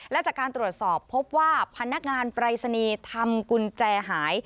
และจากการตรวจสอบพบว่าพนักงานปรายศนีย์ทำกุญแจหาย